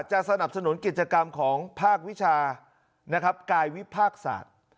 สนับสนุนกิจกรรมของภาควิชานะครับกายวิภาคศาสตร์